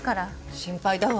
心配だわ。